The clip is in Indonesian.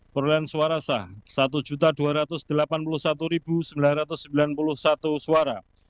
perolehan suara sah satu dua ratus delapan puluh satu sembilan ratus sembilan puluh satu suara